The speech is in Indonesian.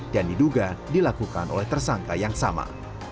diduga dilakukan oleh tersangka yang sama